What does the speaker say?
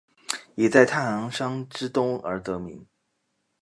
以在太行山之东而得名。